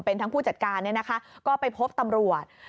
เป็นทั้งผู้จัดการเนี่ยนะคะก็ไปพบตำรวจ